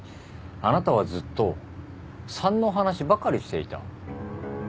あなたはずっと３の話ばかりしていた。